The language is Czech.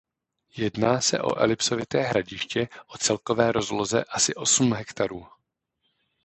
Jedná se o elipsovité hradiště o celkové rozloze asi osm hektarů.